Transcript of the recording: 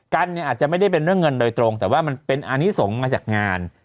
กันเนี่ยอาจจะไม่ได้เป็นเรื่องเงินโดยตรงแต่ว่ามันเป็นอันนี้ส่งมาจากงาน